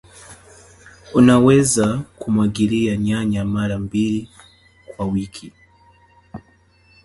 unaweza kumwagilia nyanya mara mbili kwa wiki.